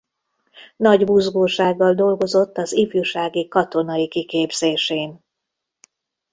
Nagy buzgósággal dolgozott az ifjúsági katonai kiképzésén.